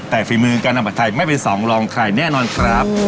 แต่ฝีมือการนำมะไถ่ไม่เป็นสองลองใครแน่นอนครับ